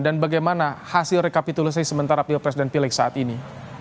dan bagaimana hasil rekapitulasi sementara pilpres dan pileg saat ini